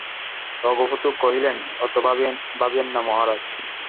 রঘুপতি কহিলেন, অত ভাবিবেন না মহারাজ।